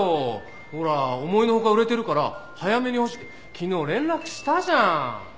ほら思いの外売れてるから早めに欲しいって昨日連絡したじゃん。